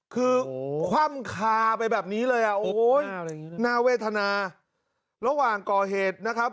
คือคว่ำคาไปแบบนี้เลยอ่ะโอ้โหน่าเวทนาระหว่างก่อเหตุนะครับ